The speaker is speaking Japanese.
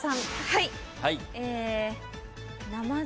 はい！